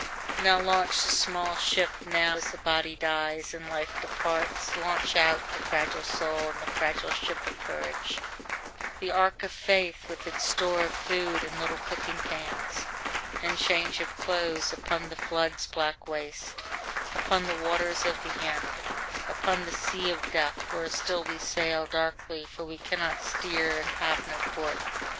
Now launch the small ship, now as the body dies and life departs, launch out, the fragile soul in the fragile ship of courage, the ark of faith with its store of food and little cooking pans and change of clothes, upon the flood's black waste upon the waters of the end upon the sea of death, where still we sail darkly, for we cannot steer, and have no port.